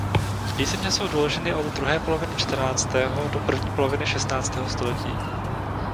Písemně jsou doloženy od druhé poloviny čtrnáctého do první poloviny šestnáctého století.